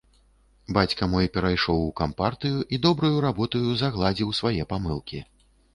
Бацька мой перайшоў у кампартыю і добраю работаю загладзіў свае памылкі.